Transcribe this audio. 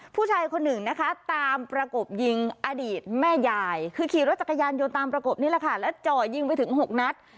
ผู้ชายคนหนึ่งนะคะตามประกบยิงอดีตแม่ยายคือขี่รถจักรยานยนต์ตามประกบนี่แหละค่ะแล้วเจาะยิงไปถึง๖นัด